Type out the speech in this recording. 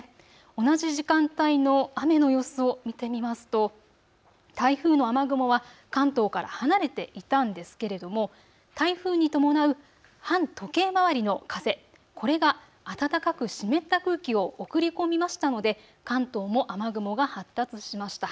同じ時間帯の雨の様子を見てみますと台風の雨雲は関東から離れていたんですけれども台風に伴う反時計回りの風、これが暖かく湿った空気を送り込みましたので関東も雨雲が発達しました。